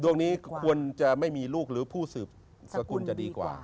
ดวงนี้ควรจะไม่มีลูกหรือผู้สืบสกุลจะดีกว่า